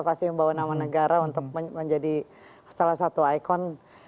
pasti membawa nama negara untuk menjadi salah satu ikon